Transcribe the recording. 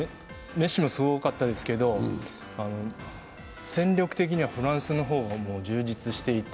メッシもすごかったですけど戦力的にはフランスの方が充実していて。